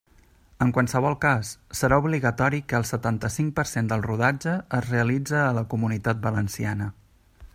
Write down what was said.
En qualsevol cas, serà obligatori que el setanta-cinc per cent del rodatge es realitze a la Comunitat Valenciana.